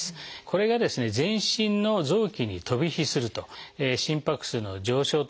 これが全身の臓器に飛び火すると心拍数の上昇とかですね